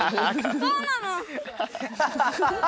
そうなの！